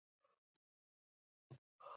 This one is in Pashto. بيا د هغې مسئلې ښکار وي